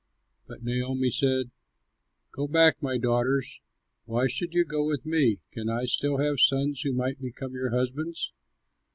But Naomi said, "Go back, my daughters; why should you go with me? Can I still have sons who might become your husbands?